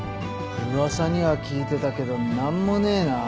噂には聞いてたけど何もねえな。